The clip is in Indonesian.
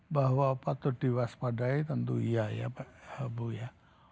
bahwa patut diwaspadai tentu iya ya pak bu ya